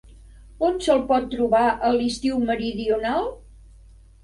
On se'l pot trobar a l'estiu meridional?